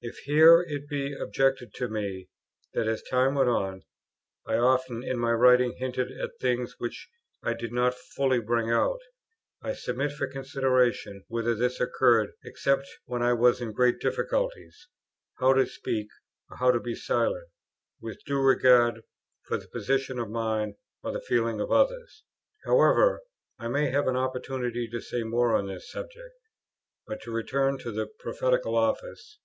If here it be objected to me, that as time went on, I often in my writings hinted at things which I did not fully bring out, I submit for consideration whether this occurred except when I was in great difficulties, how to speak, or how to be silent, with due regard for the position of mind or the feelings of others. However, I may have an opportunity to say more on this subject. But to return to the "Prophetical Office."